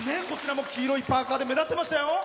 こちらも黄色いパーカで目立ってましたよ。